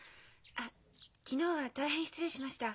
あっ昨日は大変失礼しました。